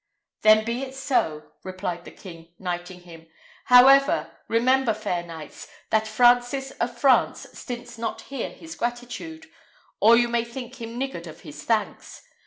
"Then be it so," replied the king, knighting him. "However, remember, fair knights, that Francis of France stints not here his gratitude, or you may think him niggard of his thanks.